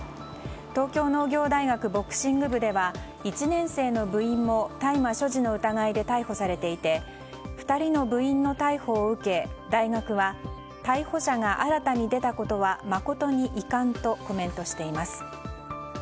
東京農業大学ボクシング部では１年生の部員も大麻所持の疑いで逮捕されていて２人の部員の逮捕を受け大学は逮捕者が新たに出たことは誠に遺憾とコメントしています。